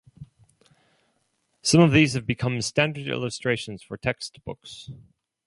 Some of these have become standard illustrations for textbooks.